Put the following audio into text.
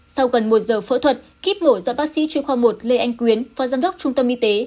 sau gần một giờ phẫu thuật kiếp mổ do bác sĩ chuyên khoa một lê anh quyến phó giám đốc trung tâm y tế